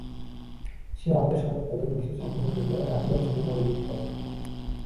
সে আমাদের সংবাদ পাইয়াই বিশেষ আগ্রহ করিয়া রাখিবার জন্য বড় জিদ করে।